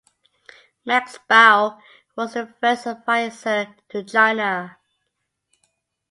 Max Bauer was the first advisor to China.